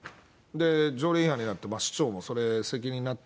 条例違反になって、市長もそれ、責任になって。